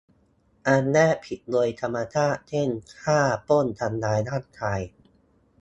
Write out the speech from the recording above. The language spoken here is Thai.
อันแรก ผิดโดยธรรมชาติ เช่น ฆ่า ปล้น ทำร้ายร่างกาย